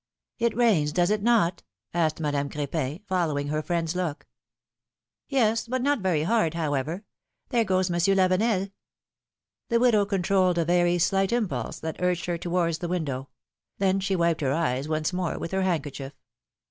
^^It rains, does it not?" asked Madame Cr^pin, follow ing her friend's look. Yes; but not very hard, however. There goes Mon sieur Lavenel !" The widow controlled a very slight impulse that urged her towards the window; then she wiped her eyes once more with her handkerchief.